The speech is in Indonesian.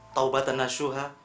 taubat tana syuha